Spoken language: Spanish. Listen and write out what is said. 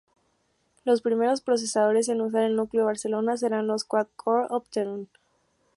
Los primeros procesadores en usar el núcleo Barcelona, serán los Quad Core Opteron.